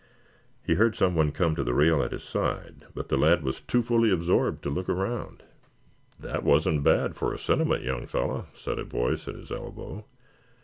He heard someone come to the rail at his side, but the lad was too fully absorbed to look around. "That wasn't bad for a sentiment, young fellow," said a voice at his elbow.